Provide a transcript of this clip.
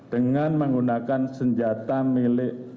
dengan menggunakan senjata milik